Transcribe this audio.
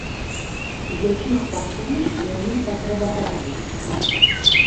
Якіх паслуг яны патрабавалі?